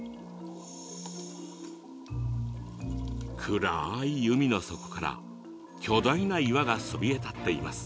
暗い海の底から巨大な岩がそびえ立っています。